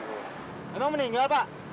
kenapa meninggal pak